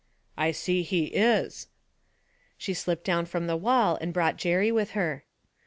'I see he is.' She slipped down from the wall and brought Jerry with her.